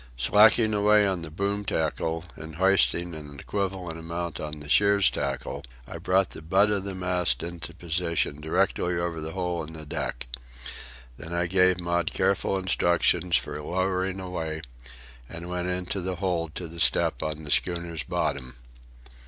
Slacking away on the boom tackle and hoisting an equivalent amount on the shears tackle, I brought the butt of the mast into position directly over the hole in the deck. Then I gave Maud careful instructions for lowering away and went into the hold to the step on the schooner's bottom.